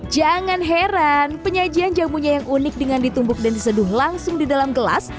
jangan heran penyajian jamunya yang unik dengan ditumbuk dan diseduh langsung di dalam gelas